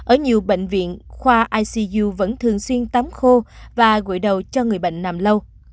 ở nhiều bệnh viện khoa icu vẫn thường xuyên tắm khô và gội đầu cho người bệnh nằm lâu